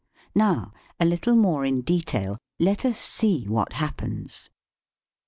Now, a little more in detail, let us see what happens.